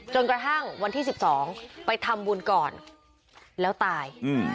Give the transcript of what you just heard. กระทั่งวันที่๑๒ไปทำบุญก่อนแล้วตาย